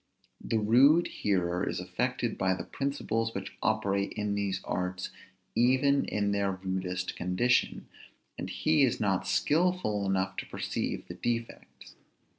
The rude hearer is affected by the principles which operate in these arts even in their rudest condition; and he is not skilful enough to perceive the defects.